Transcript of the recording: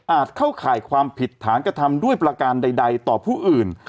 เข้าข่ายความผิดฐานกระทำด้วยประการใดต่อผู้อื่น